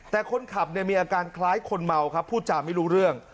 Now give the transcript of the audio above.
แต่คนขับเนี่ยมีอาการคล้ายคนเมาครับพูดจาไม่รู้เรื่อง